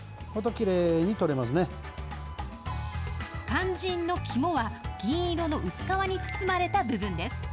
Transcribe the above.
肝心の肝は、銀色の薄皮に包まれた部分です。